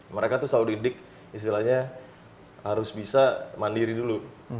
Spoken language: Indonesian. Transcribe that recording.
mereka tuh selalu didik istilahnya harus bisa mandiri dulu